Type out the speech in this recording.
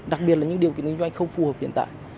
đặc biệt là những điều kiện kinh doanh không phù hợp hiện tại